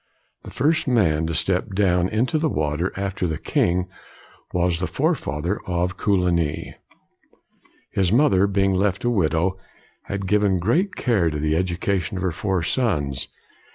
The first man to step down us 146 COLIGNY into the water after the king, was the fore father of Coligny. His mother, being left a widow, had given great care to the education of her four sons.